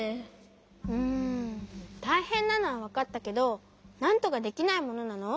うんたいへんなのはわかったけどなんとかできないものなの？